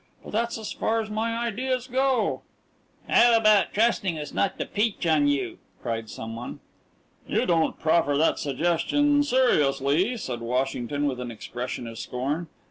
But that's as far as my ideas go." "How about trusting us not to peach on you?" cried some one. "You don't proffer that suggestion seriously," said Washington, with an expression of scorn.